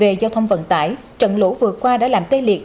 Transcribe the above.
về giao thông vận tải trận lũ vừa qua đã làm tê liệt